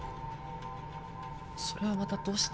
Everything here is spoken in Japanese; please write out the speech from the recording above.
それはまたどうして。